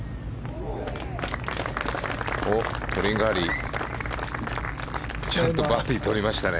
トリンガーリ、ちゃんとバーディーとりましたね。